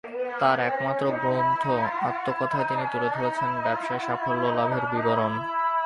তাঁর একমাত্র গ্রন্থ আত্মকথায় তিনি তুলে ধরেছেন ব্যবসায় সাফল্য লাভের বিবরণ।